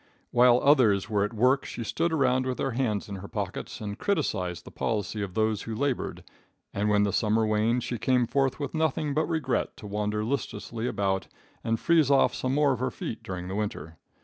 While others were at work she stood around with her hands in her pockets and criticised the policy of those who labored, and when the summer waned she came forth with nothing but regret to wander listlessly about and freeze off some more of her feet during the winter.